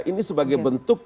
ini sebagai bentuk